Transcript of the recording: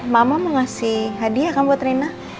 mama mau ngasih hadiah kan buat rina